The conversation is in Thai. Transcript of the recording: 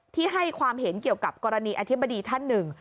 ที่ให้ความเห็นเกี่ยวกับกรณีอธิบดีท่านหนึ่ง